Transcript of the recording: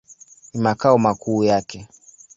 Ni makao makuu yake.